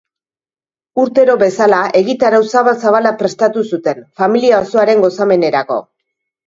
Urtero bezala, egitarau zabal-zabala prestatu zuten, familia osoaren gozamenerako.